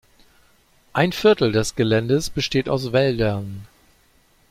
Ein Viertel des Geländes besteht aus Wäldern.